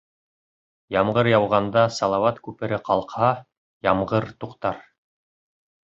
Ямғыр яуғанда салауат күпере ҡалҡһа, ямғыр туҡтар